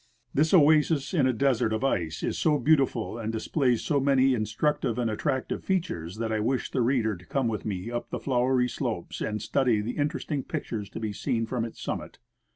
This oasis in a desert of ice is so beautiful and displays so many instructive and attractive features that I Avish the reader to come Avith me up the flowery slopes and study the interesting pictures to be seen from its summit.